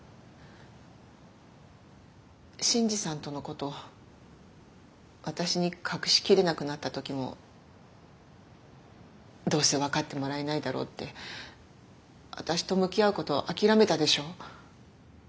信爾さんとのこと私に隠しきれなくなった時もどうせ分かってもらえないだろうって私と向き合うこと諦めたでしょ。